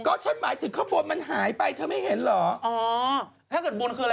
ก็ฉันหมายถึงข้าวบนมันหายไปเธอไม่เห็นเหรอ